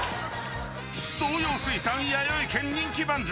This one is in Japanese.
東洋水産、やよい軒人気番付！